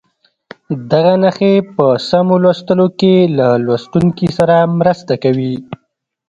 دغه نښې په سمو لوستلو کې له لوستونکي سره مرسته کوي.